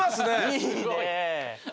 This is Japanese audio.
いいねえ。